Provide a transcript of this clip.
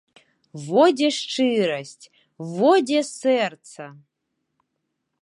Во дзе шчырасць, во дзе сэрца!